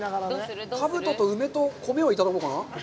かぶとと梅と米をいただこうかな。